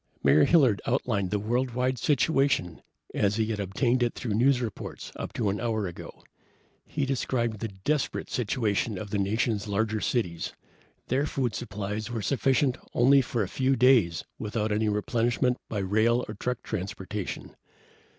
Mayor Hilliard outlined the worldwide situation as he had obtained it through news reports up to an hour ago. He described the desperate situation of the nation's larger cities. Their food supplies were sufficient for only a few days without any replenishment by rail and truck transportation.